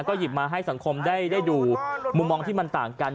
ก็หยิบมาให้สังคมได้ดูมุมมองที่มันต่างกัน